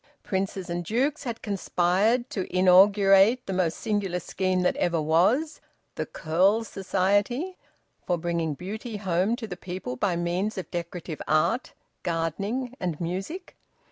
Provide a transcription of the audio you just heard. Princes and dukes had conspired to inaugurate the most singular scheme that ever was, the Kyrle Society, for bringing beauty home to the people by means of decorative art, gardening, and music.